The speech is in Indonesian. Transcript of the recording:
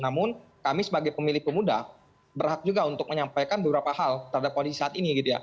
namun kami sebagai pemilih pemuda berhak juga untuk menyampaikan beberapa hal terhadap kondisi saat ini